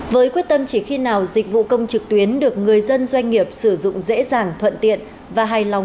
với quyết tâm chỉ khi nào dịch vụ công trực tuyến được người dân doanh nghiệp sử dụng dễ dàng thuận tiện và hài lòng